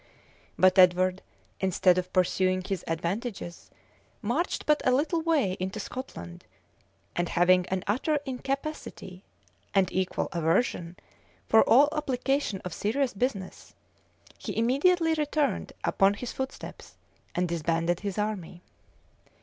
But Edward, instead of pursuing his advantages, marched but a little way into Scotland; and having an utter incapacity, and equal aversion, for all application or serious business, he immediately returned upon his footsteps, and disbanded his army.